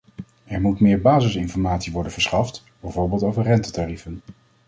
Er moet meer basisinformatie worden verschaft, bijvoorbeeld over rentetarieven.